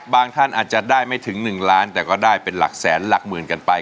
ท่านอาจจะได้ไม่ถึง๑ล้านแต่ก็ได้เป็นหลักแสนหลักหมื่นกันไป